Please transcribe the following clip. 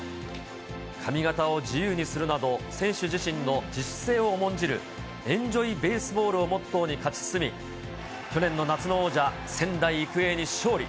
髪形を自由にするなど選手自身の自主性を重んじる、エンジョイベースボールをモットーに勝ち進み、去年の夏の王者、仙台育英に勝利。